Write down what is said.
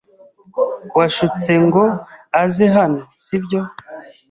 Washutse ngo aze hano, sibyo?